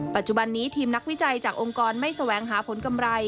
ปัจจุบันนี้ทีมนักวิจัยจากองค์กรไม่แสวงหาผลกำไร